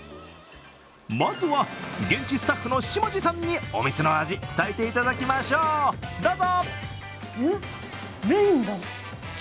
まずは、現地スタッフの下地さんにお店の味、伝えていただきましょうどうぞ。